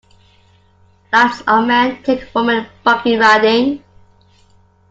Lots of men take women buggy riding.